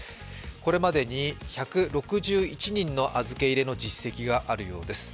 これまでに１６１人の預け入れの実績があるようです。